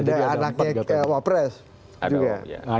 ada anaknya wapres juga